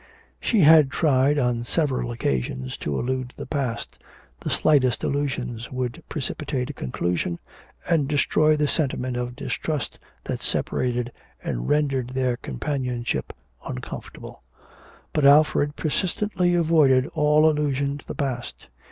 She had tried on several occasions to allude to the past, the slightest allusion would precipitate a conclusion, and destroy the sentiment of distrust that separated and rendered their companionship uncomfortable. But Alfred persistently avoided all allusion to the past.